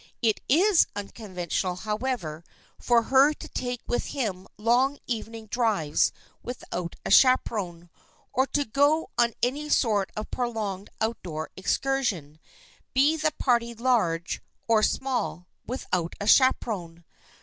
It is unconventional, however, for her to take with him long evening drives without a chaperon, or to go on any sort of prolonged outdoor excursion, be the party large or small, without a chaperon.